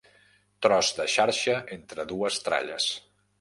Tros de xarxa entre dues tralles.